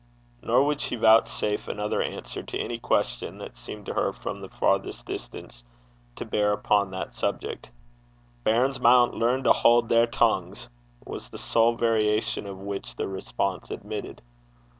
Nor would she vouchsafe another answer to any question that seemed to her from the farthest distance to bear down upon that subject. 'Bairns maun learn to haud their tongues,' was the sole variation of which the response admitted.